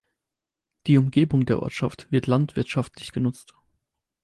Die Umgebung der Ortschaft wird landwirtschaftlich genutzt.